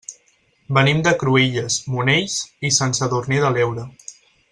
Venim de Cruïlles, Monells i Sant Sadurní de l'Heura.